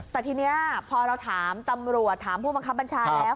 แต่ทีนี้พอเราถามตำรวจถามผู้บังคับบัญชาแล้ว